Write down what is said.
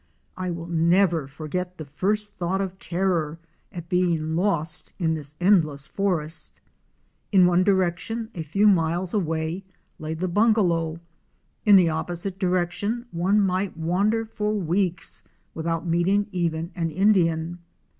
I will never forget the first thought of terror at being lost in this endless forest. In one direction a few miles away lay the bungalow; in the opposite direction one might wander for weeks without meeting even an Indian.